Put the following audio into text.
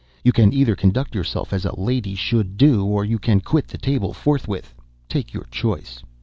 "You can either conduct yourself as a lady should do, or you can quit the table forthwith—take your choice."